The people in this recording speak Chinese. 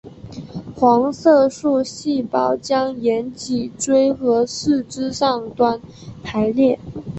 黄色素细胞将沿脊椎和四肢上端排列。